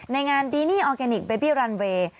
ในงานดีนี่ออร์แกนิคเบบี้รันเวย์